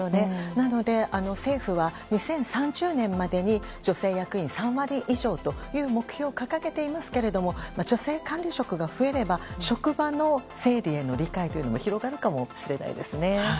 なので、政府は２０３０年までに女性役員３割以上という目標を掲げていますが女性管理職が増えれば職場の生理への理解というのも広がるかもしれないですね。